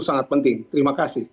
sangat penting terima kasih